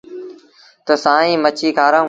تا سائيٚݩ مڇي کآرآئو۔